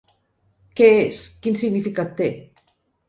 Què és, quin significat té?